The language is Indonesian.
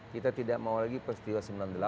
kita tidak mau lagi peristiwa sembilan puluh delapan